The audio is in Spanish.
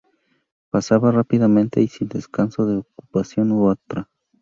Pasaba rápidamente y sin descanso de una ocupación a otra.